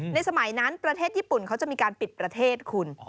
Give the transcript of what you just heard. สมัยนั้นประเทศญี่ปุ่นเขาจะมีการปิดประเทศคุณ